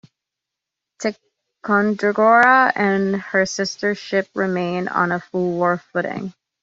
"Ticonderoga" and her sister ships remained on a full war footing.